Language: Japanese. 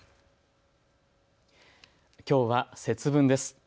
きょうは節分です。